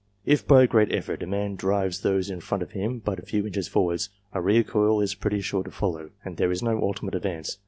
If, by a great effort, a man drives those in front of him but a few inches forward, a recoil is pretty sure to follow, and there is no ultimate advance.